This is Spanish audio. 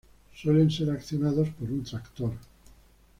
Suelen ser accionados por un tractor.